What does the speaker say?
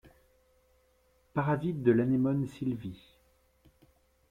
Parasite de l'Anémone sylvie.